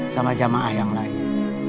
sama jamaah yang lain